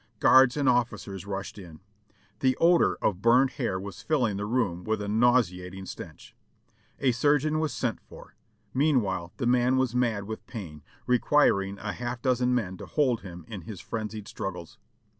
Guards and officers rushed in. The odor of burned hair was filling the room with a nau seating stench. A surgeon was sent for; meanwhile the man was mad with pain, requiring a half dozen men to hold him in his frenzied struggles.